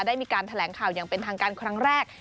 ได้มีการแถลงข่าวอย่างเป็นทางการครั้งแรก